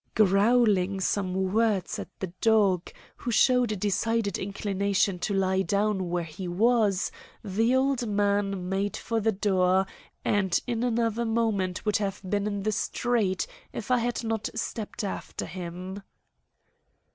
Growling some words at the dog, who showed a decided inclination to lie down where he was, the old man made for the door and in another moment would have been in the street, if I had not stepped after him.